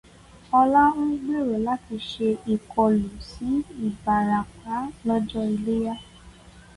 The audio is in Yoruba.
Ọlá ń gbèrò láti ṣe ìkọlù sí Ìbàràpá lọ́jọ́ Iléyá.